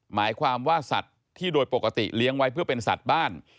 หมายความว่าสัตว์ที่โดยปกติเลี้ยงไว้เพื่อเป็นสัตว์บ้าน